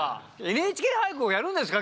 「ＮＨＫ俳句」をやるんですか？